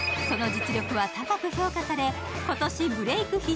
その実力派高く評価され今年ブレーク